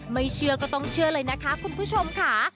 เชื่อก็ต้องเชื่อเลยนะคะคุณผู้ชมค่ะ